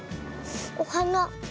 おはな。